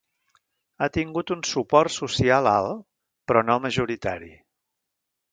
Ha tingut un suport social alt, però no majoritari.